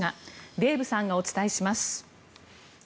デーブさんがお伝えします。